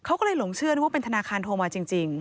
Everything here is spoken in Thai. เขาก็เลยหลงเชื่อนึกว่าเป็นธนาคารโทรมาจริง